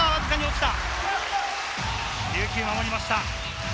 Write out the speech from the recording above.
琉球が守りました。